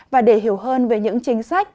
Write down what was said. và để hiểu hơn về những chính sách